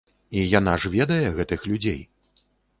І яна ж ведае гэтых людзей!